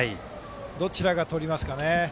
どちらが取りますかね。